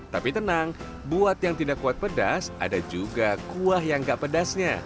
tapi tenang buat yang tidak kuat pedas ada juga kuah yang gak pedasnya